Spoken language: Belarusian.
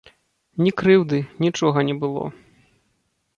Ні крыўды, нічога не было.